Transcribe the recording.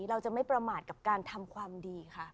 เราจะไม่ประมาทกับการทำความดีคะ